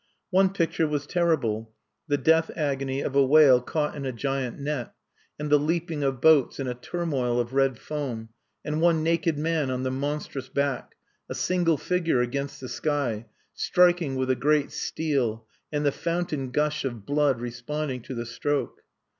One picture was terrible, the death agony of a whale caught in a giant net, and the leaping of boats in a turmoil of red foam, and one naked man on the monstrous back a single figure against the sky striking with a great steel, and the fountain gush of blood responding to the stroke....